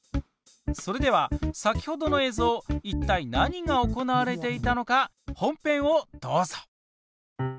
それでは先ほどの映像いったい何が行われていたのか本編をどうぞ。